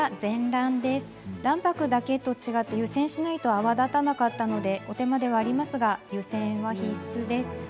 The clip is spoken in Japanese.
卵白だけと違い、湯煎しないと泡立たなかったのでお手間ではありますが湯煎は必須です。